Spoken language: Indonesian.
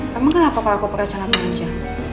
kamu kenapa aku pake celana aja